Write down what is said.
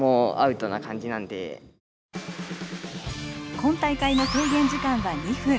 今大会の制限時間は２分。